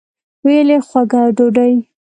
ویل یې خوږه ډوډۍ.